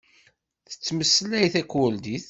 Tettmeslay takurdit.